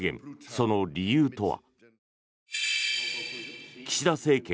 その理由とは。